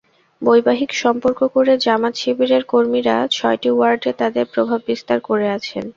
বৈবাহিক সম্পর্ক করে জামায়াত-শিবিরের কর্মীরা ছয়টি ওয়ার্ডে তাদের প্রভাব বিস্তার করে আছেন।